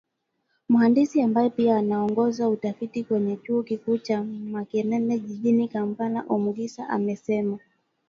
Mhandisi ambaye pia anaongoza utafiti kwenye chuo kikuu cha Makerere jijini Kampala Omugisa amesema